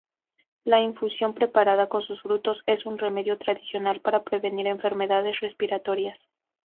La infusión preparada con sus frutos es un remedio tradicional para prevenir enfermedades respiratorias.